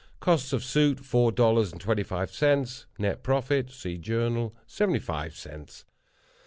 Costs of suit, four dollars and twenty five cents. Nett profit,—see Journal,—seventy five cents."